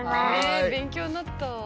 え勉強になった。